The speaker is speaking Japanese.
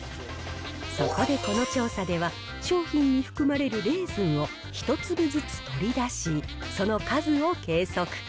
そこでこの調査では、商品に含まれるレーズンを一粒ずつ取り出し、その数を計測。